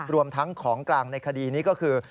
รวมทั้งของกลางในคดีนี้ก็คือ